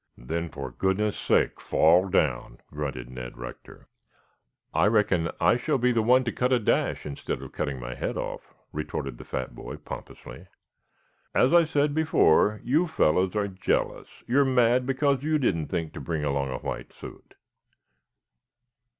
"Then for goodness' sake fall down," grunted Ned Rector. "I reckon I shall be the one to cut a dash instead of cutting my head off," retorted the fat boy pompously. "As I said before, you fellows are jealous. You're mad because you didn't think to bring along a white suit."